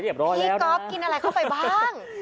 ๒๘๐เย็บเลยแล้วนะพี่ก๊อบกินอะไรเข้าไปบ้าง